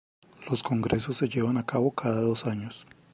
Los congresos se llevan a cabo cada dos años.